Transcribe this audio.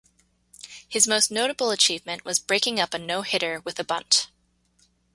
His most notable achievement was breaking up a no-hitter with a bunt.